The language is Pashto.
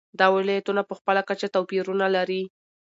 دا ولایتونه په خپله کچه توپیرونه لري.